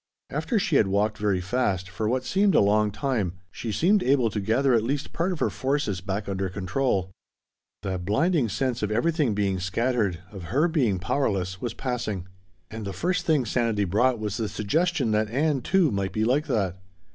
After she had walked very fast for what seemed a long time she seemed able to gather at least part of her forces back under control. That blinding sense of everything being scattered, of her being powerless, was passing. And the first thing sanity brought was the suggestion that Ann, too, might be like that.